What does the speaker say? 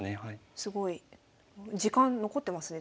すごい。時間残ってますね